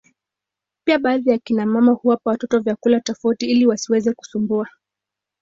pia baadhi ya kina mama huwapa watoto vyakula tofauti ili wasiweze kusumbua